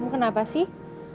kamu kenapa sih